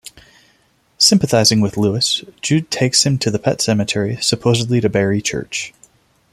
Sympathizing with Louis, Jud takes him to the pet sematary, supposedly to bury Church.